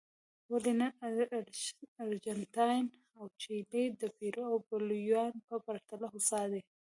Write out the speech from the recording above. ولې نن ارجنټاین او چیلي د پیرو او بولیویا په پرتله هوسا دي.